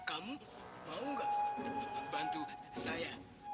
kamu mau gak bantu saya